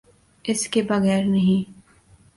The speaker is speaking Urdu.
اس کے بغیر نہیں۔